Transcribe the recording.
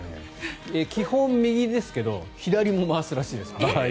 基本、右ですけど左も回すらしいです。